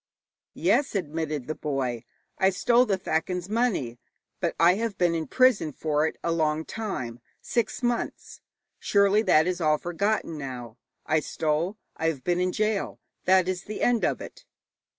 'Yes,' admitted the boy, 'I stole the thakin's money, but I have been in prison for it a long time six months. Surely that is all forgotten now. I stole; I have been in gaol that is the end of it.'